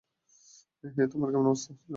হেই, তোমার কেমন অবস্থা ছিল?